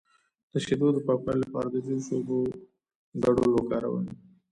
د شیدو د پاکوالي لپاره د جوش او اوبو ګډول وکاروئ